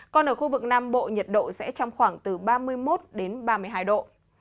còn ở khu vực nam bộ nhiệt độ sẽ trong khoảng từ ba mươi một đến ba mươi hai độ